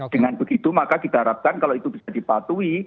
dengan begitu maka kita harapkan kalau itu bisa dipatuhi